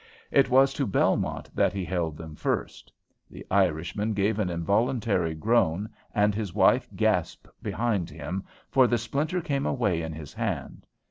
It was to Belmont that he held them first. The Irishman gave an involuntary groan, and his wife gasped behind him, for the splinter came away in his hand.